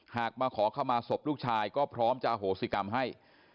มาขอเข้ามาศพลูกชายก็พร้อมจะอโหสิกรรมให้